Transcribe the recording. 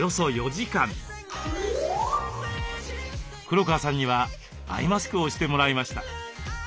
黒川さんにはアイマスクをしてもらいました。